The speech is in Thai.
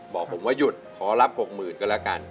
บอกผมว่าหยุดขอรับ๖๐๐๐ก็แล้วกัน